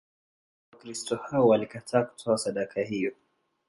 Wakristo hao walikataa kutoa sadaka hiyo.